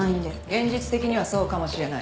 現実的にはそうかもしれない。